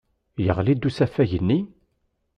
Yeɣli-d usafag-nni?